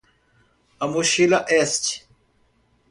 A mochila est